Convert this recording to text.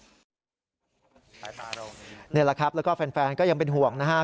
นี่แหละครับแล้วก็แฟนก็ยังเป็นห่วงนะฮะ